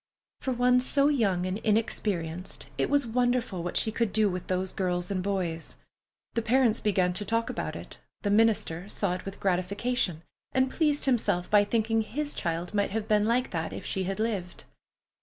For one so young and inexperienced, it was wonderful what she could do with those girls and boys. The parents began to talk about it, the minister saw it with gratification, and pleased himself by thinking his child might have been like that if she had lived.